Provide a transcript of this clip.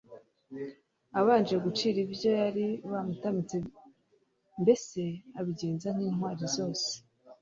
abanje gucira ibyo bari bamutamitse, mbese abigenza ak'intwari zose